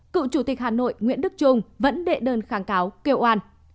cựu chủ tịch hà nội nguyễn đức trung vẫn đệ đơn kháng cáo kêu an